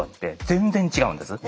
全然違うんですか。